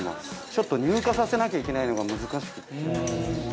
ちょっと乳化させなきゃいけないのが難しくて。